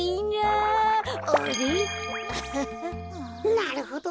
なるほど！